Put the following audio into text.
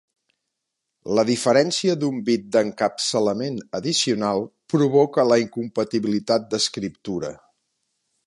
La diferència d'un bit d'encapçalament addicional provoca la incompatibilitat d'escriptura.